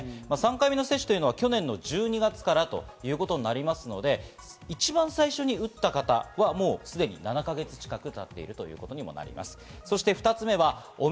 ３回目の接種は去年の１２月からということになりますので、一番最初に打った方がもうすでに７か月近くたっているということです。